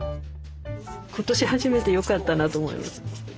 今年始めてよかったなと思います。